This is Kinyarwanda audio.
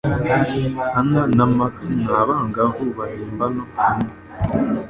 Anna na Max ni abangavu bahimbano hamwe